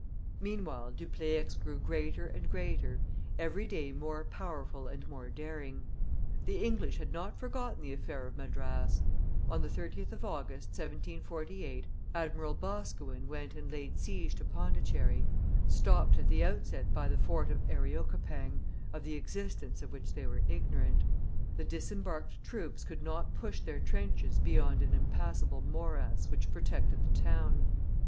Meanwhile Dupleix grew greater and greater, every day more powerful and more daring. The English had not forgotten the affair of Madras. On the 30th of August, 1748, Admiral Boscawen went and laid siege to Pondicherry; stopped at the outset by the fort of Ariocapang, of the existence of which they were ignorant, the disembarked troops could not push their trenches beyond an impassable morass which protected the town.